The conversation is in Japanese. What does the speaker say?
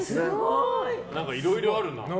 いろいろあるな。